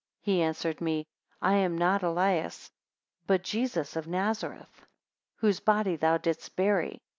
He answered me, I am not Elias, but Jesus of Nazareth, whose body thou didst bury.